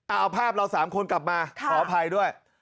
เอาภาพเรา๓คนกลับมาขออภัยด้วย